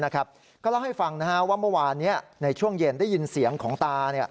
ก็เล่าให้ฟังว่าเมื่อวานนี้ในช่วงเย็นได้ยินเสียงของตา